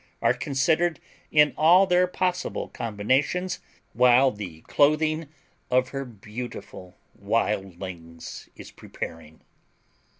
are considered in all their possible combinations while the clothing of her beautiful wildlings is preparing.